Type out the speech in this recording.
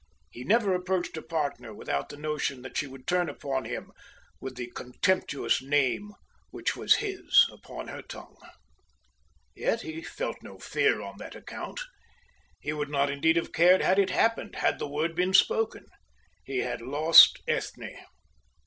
He never approached a partner without the notion that she would turn upon him with the contemptuous name which was his upon her tongue. Yet he felt no fear on that account. He would not indeed have cared had it happened, had the word been spoken. He had lost Ethne.